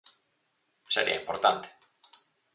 Sería importante.